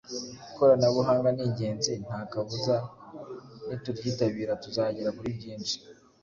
Ikoranabuhanga ni ingenzi nta kabuza nituryitabira tuzagera kuri byinshi.